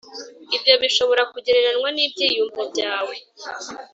Ibyo bishobora kugereranywa n ibyiyumvo byawe